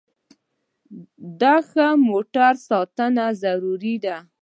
د ښه موټر ساتنه ضروري ده.